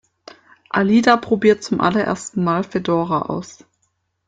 Alida probiert zum allerersten Mal Fedora aus.